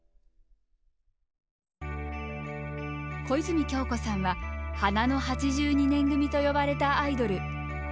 小泉今日子さんは「花の８２年組」と呼ばれたアイドル。